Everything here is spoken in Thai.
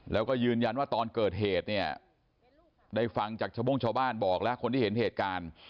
แล้วก็ยืนยันว่าตอนเกิดเหตุเนี่ยได้ฟังจากชาวโม่งชาวบ้านบอกแล้วคนที่เห็นเหตุการณ์